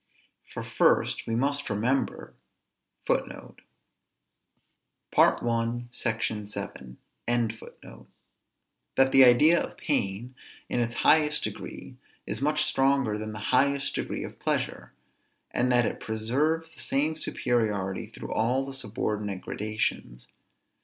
For first, we must remember that the idea of pain, in its highest degree, is much stronger than the highest degree of pleasure; and that it preserves the same superiority through all the subordinate gradations.